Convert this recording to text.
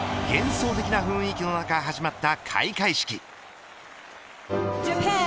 幻想的な雰囲気の中始まった開会式。